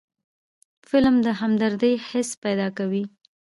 فلم د همدردۍ حس پیدا کوي